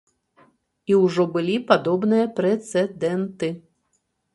І ўжо былі падобныя прэцэдэнты.